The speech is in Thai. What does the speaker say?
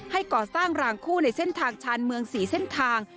ก่อสร้างรางคู่ในเส้นทางชานเมือง๔เส้นทาง